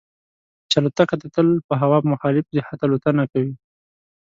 چې الوتکه تل د هوا په مخالف جهت الوتنه کوي.